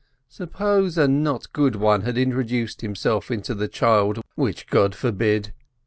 Suppose a not good one had intro duced himself into the child (which God forbid!)?